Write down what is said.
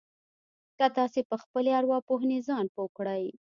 که تاسې په خپلې ارواپوهنې ځان پوه کړئ.